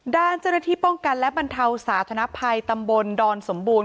ด้านเจ้าหน้าที่ป้องกันและบรรเทาสาธนภัยตำบลดอนสมบูรณ